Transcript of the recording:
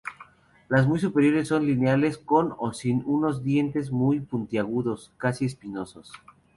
Las muy superiores son lineales con o sin unos dientes muy puntiagudos, casi espinosos.